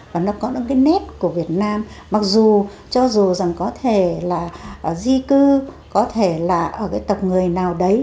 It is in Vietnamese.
và nó có những cái nét của việt nam mặc dù cho dù rằng có thể là di cư có thể là tập người nào đấy